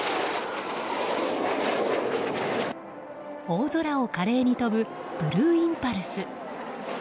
大空を華麗に飛ぶブルーインパルス。